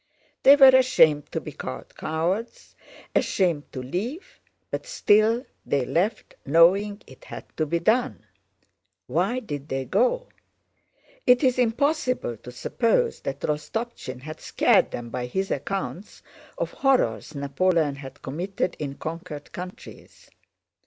They were ashamed to be called cowards, ashamed to leave, but still they left, knowing it had to be done. Why did they go? It is impossible to suppose that Rostopchín had scared them by his accounts of horrors Napoleon had committed in conquered countries.